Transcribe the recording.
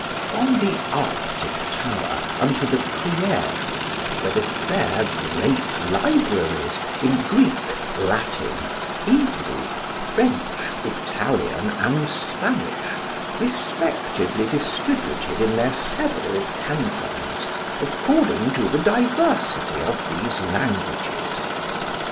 From the Arctic tower unto the Criere were the fair great libraries in Greek, Latin, Hebrew, French, Italian, and Spanish, respectively distributed in their several cantons, according to the diversity of these languages.